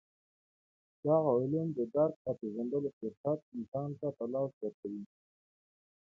دغه علوم د درک او پېژندلو فرصت انسان ته په لاس ورکوي.